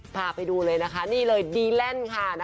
พาไปดูเลยนะคะนี่เลยดีแลนด์ค่ะ